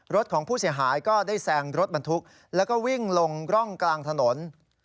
รถของผู้เสียหายก็ได้แซงรถบรรทุกแล้วก็วิ่งลงร่องกลางถนน